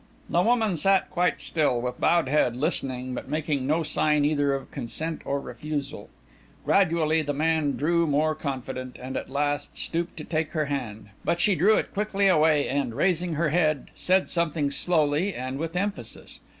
The woman sat quite still, with bowed head, listening, but making no sign either of consent or refusal. Gradually, the man grew more confident, and at last stooped to take her hand, but she drew it quickly away, and, raising her head, said something slowly and with emphasis.